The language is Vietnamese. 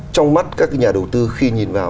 trong mắt các nhà đầu tư khi nhìn vào